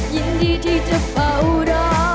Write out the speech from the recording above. ยินดีที่จะเฝ้ารอ